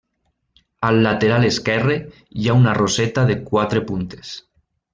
Al lateral esquerre hi ha una roseta de quatre puntes.